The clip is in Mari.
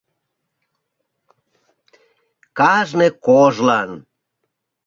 Кажне кожлан